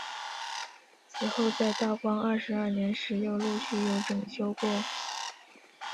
此后在道光二十二年时又陆续有整修过。